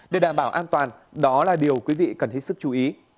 để đảm bảo an toàn đó là điều quý vị cần hết sức chú ý